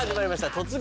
「突撃！